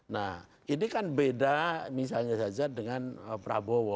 nah ini kan beda misalnya saja dengan prabowo